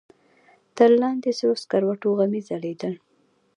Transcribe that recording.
تر لاندې د سرو سکروټو غمي ځلېدل.